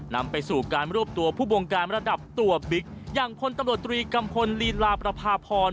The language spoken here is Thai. นำไปสู่การรวบตัวผู้บงการระดับตัวบิ๊กอย่างพลตำรวจตรีกัมพลลีลาประพาพร